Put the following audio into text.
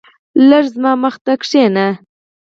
لږ زما مخی ته کينه